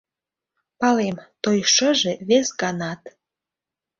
Палем, той шыже вес ганат